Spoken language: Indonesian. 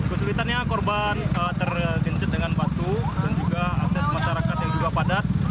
kesulitannya korban tergencet dengan batu dan juga akses masyarakat yang juga padat